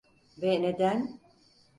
Ve neden?